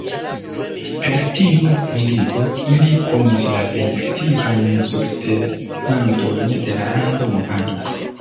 Per tiu nuligo, ili punis la plej aktivajn subtenantojn de la landa movado.